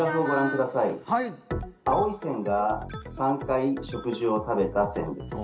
青い線が３回食事を食べた線です